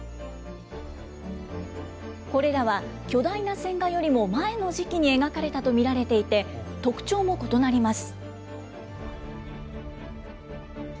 これらは巨大な線画よりも前の時期に描かれたと見られていて、特徴も異なります。